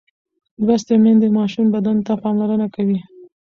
لوستې میندې د ماشوم بدن ته پاملرنه کوي.